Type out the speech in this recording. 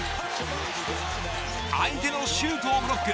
相手のシュートをブロック。